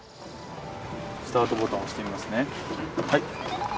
スタートボタン押してみますね。